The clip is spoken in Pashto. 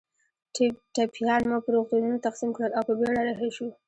ټپیان مو پر روغتونونو تقسیم کړل او په بېړه رهي شوو.